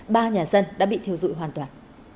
ba nhà dân đã bị thiêu dụi hoàn toàn